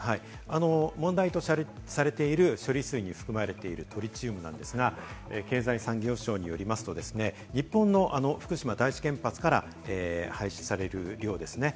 問題とされている処理水に含まれているトリチウムなんですが、経済産業省によりますと、日本の福島第一原発から排出される量ですね。